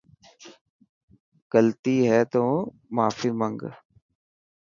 غلطي هي تو ماني منگ.